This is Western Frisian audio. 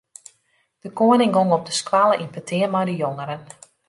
De koaning gong op de skoalle yn petear mei de jongeren.